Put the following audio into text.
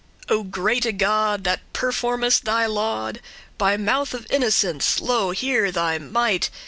O greate God, that preformest thy laud By mouth of innocents, lo here thy might!